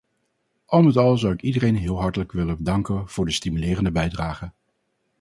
Al met al zou ik iedereen heel hartelijk willen danken voor de stimulerende bijdragen.